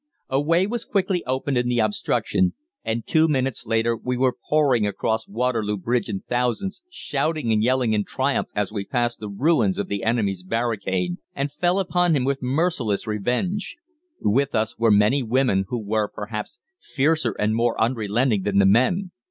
A way was quickly opened in the obstruction, and two minutes later we were pouring across Waterloo Bridge in thousands, shouting and yelling in triumph as we passed the ruins of the enemy's barricade, and fell upon him with merciless revenge. With us were many women, who were, perhaps, fiercer and more unrelenting than the men.